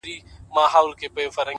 په بوتلونو شـــــراب ماڅښلي!